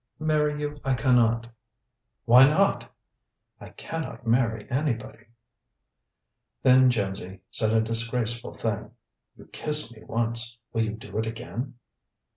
"Marry you I can not." "Why not?" "I can not marry anybody." Then Jimsy said a disgraceful thing. "You kissed me once. Will you do it again?"